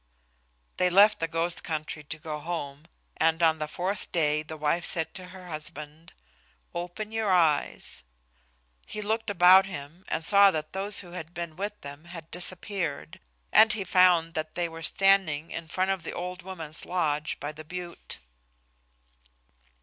They left the ghost country to go home, and on the fourth day the wife said to her husband, "Open your eyes." He looked about him and saw that those who had been with them had disappeared, and he found that they were standing in front of the old woman's lodge by the butte.